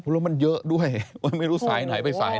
แล้วมันเยอะด้วยไม่รู้สายไหนไปสาย